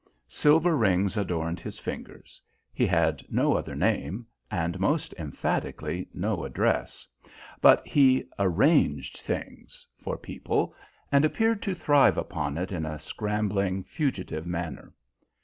Silver rings adorned his fingers. He had no other name, and most emphatically no address, but he "arranged things" for people, and appeared to thrive upon it in a scrambling, fugitive manner.